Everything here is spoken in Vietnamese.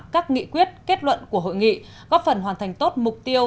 các nghị quyết kết luận của hội nghị góp phần hoàn thành tốt mục tiêu